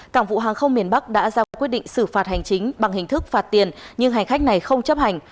cảng vụ hàng không miền bắc đã ra quyết định xử phạt hành chính bằng hình thức phạt tiền nhưng hành khách này không chấp hành